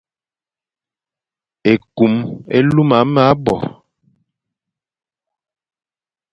Ekum e lum me abo ;